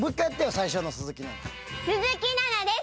私鈴木奈々です！